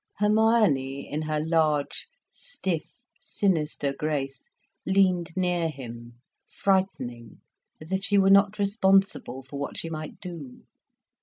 Hermione, in her large, stiff, sinister grace, leaned near him, frightening, as if she were not responsible for what she might do.